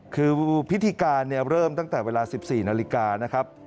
คือพิธีการเริ่มตั้งแต่เวลา๑๔นาฬิกานะครับ